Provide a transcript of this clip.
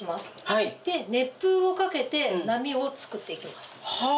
熱風を掛けて波を作っていきます。